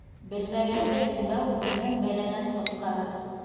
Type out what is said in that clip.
Белмәгәнде белмәү мең бәләнән ҡотҡарыр.